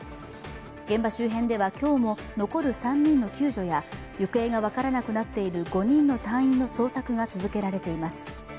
現場周辺では今日も残る３人の救助や行方が分からなくなっている５人の隊員の捜索が続けられています。